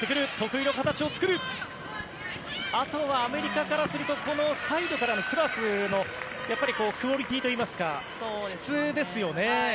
あとはアメリカからするとサイドからのクロスのクオリティーといいますか質ですよね。